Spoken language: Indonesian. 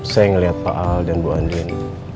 saya ngeliat pak al dan bu andien